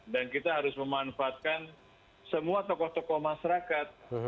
dan kita harus memanfaatkan semua tokoh tokoh masyarakat